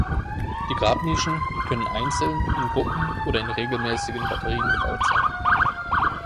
Die Grabnischen können einzeln, in Gruppen oder in regelmäßigen Batterien gebaut sein.